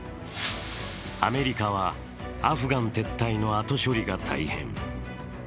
アメリカはアフガン撤退の後処理が大変。